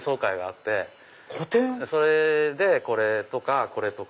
それでこれとかこれとか。